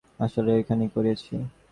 আসলেই ওখানে করিয়েছি।